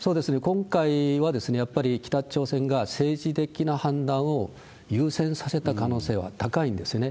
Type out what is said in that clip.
今回は、やっぱり北朝鮮が、政治的な判断を優先させた可能性は高いんですよね。